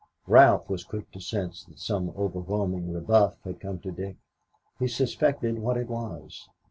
Ralph was quick to sense that some overwhelming rebuff had come to Dick. He suspected what it was.